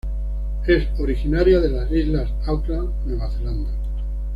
Es originaria de las islas Auckland, Nueva Zelanda.